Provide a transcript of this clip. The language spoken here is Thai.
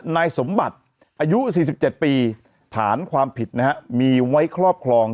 นายสมบัติอายุ๔๗ปีฐานความผิดนะฮะมีไว้ครอบครอง